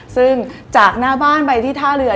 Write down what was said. ซึ่งจากหน้าบ้านไปที่ท่าเรือ